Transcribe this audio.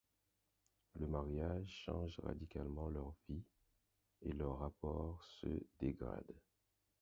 Le mariage change radicalement leur vie et leurs rapports se dégradent.